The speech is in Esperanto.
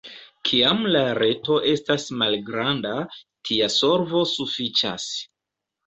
Kiam la reto estas malgranda, tia solvo sufiĉas.